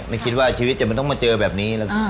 ไม่คิดว่าชีวิตจะมันต้องมาเจอแบบนี้